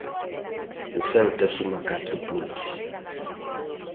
O Celta suma catro puntos.